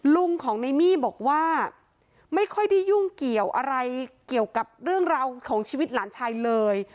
ลุงของในมี่บอกว่าไม่ค่อยได้ยุ่งเกี่ยวอะไรเกี่ยวกับเรื่องราวของชีวิตหลานชายเลย